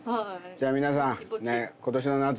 じゃあ皆さん。